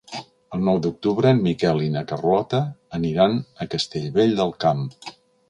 El nou d'octubre en Miquel i na Carlota aniran a Castellvell del Camp.